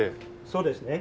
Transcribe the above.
そうですね。